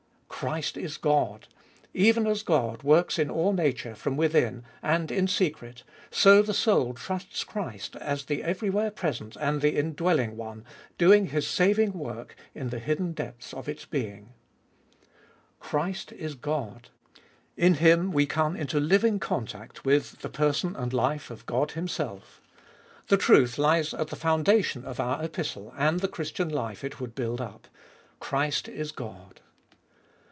Christ is God: even as God works in all nature from within, and in secret, so the soul trusts Christ as the everywhere present and the Indwelling One, doing His saving work in the hidden depths of its being. CJirist is God : in Him we come into living contact with the person and life of 5« Cbe ibolfest of 21U God Himself. The truth lies at the foundation of our Epistle, and the Christian life it would build up : Christ is God.